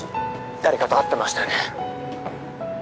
☎誰かと会ってましたよね？